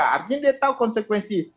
mungkin dia tahu konsekuensi